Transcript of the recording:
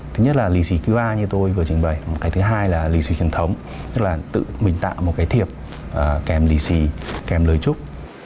thứ nhất là lì xì thứ ba như tôi vừa trình bày một cái thứ hai là lì xì truyền thống tức là tự mình tạo một cái thiệp kèm lì xì kèm lời chúc